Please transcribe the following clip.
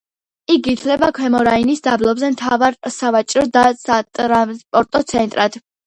იგი ითვლება ქვემო რაინის დაბლობზე მთავარ სავაჭრო და სატრანსპორტო ცენტრად.